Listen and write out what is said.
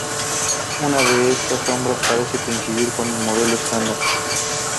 Una de esta sombras parece coincidir con el Modelo Estándar.